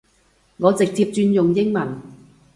我直接轉用英文